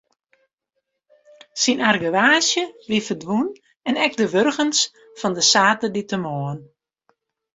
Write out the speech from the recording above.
Syn argewaasje wie ferdwûn en ek de wurgens fan de saterdeitemoarn.